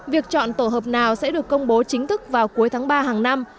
việc chọn tổ hợp nào sẽ được công bố chính thức vào cuối tháng ba hàng năm